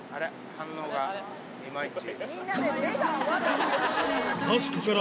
反応がいまいち。